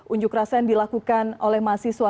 unjuk rasa yang dilakukan oleh mahasiswa